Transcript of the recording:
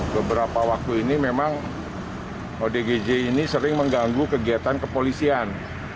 beberapa waktu ini memang odgj ini sering mengganggu kegiatan kepolisian